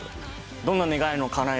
どんな願いもかなえる